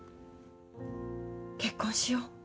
結婚しよう。